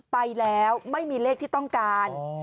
ไปแล้วไม่มีเลขที่ต้องการ